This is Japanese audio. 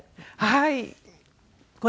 はい。